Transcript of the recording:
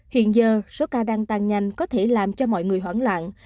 hiện giờ số ca đang tăng nhanh có thể làm cho mọi người hoảng loạn